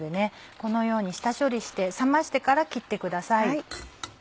このように下処理して冷ましてから切ってください。